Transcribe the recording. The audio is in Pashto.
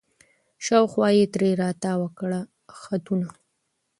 شاوخوا یې ترې را تاوکړله خطونه